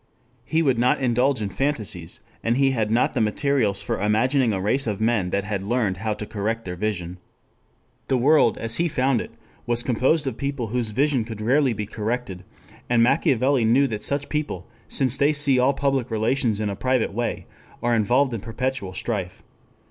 He would not indulge in fantasies, and he had not the materials for imagining a race of men that had learned how to correct their vision. The world, as he found it, was composed of people whose vision could rarely be corrected, and Machiavelli knew that such people, since they see all public relations in a private way, are involved in perpetual strife.